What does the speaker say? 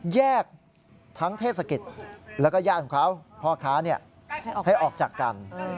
แยกทั้งเทศกิจแล้วก็ญาติของเขาพ่อค้าให้ออกจากกัน